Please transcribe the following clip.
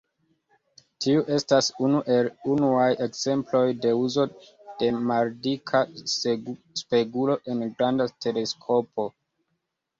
Tiu estas unu el unuaj ekzemploj de uzo de maldika spegulo en granda teleskopo.